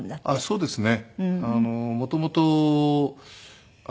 そうですね。